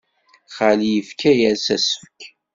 Xali yefka-as asefk.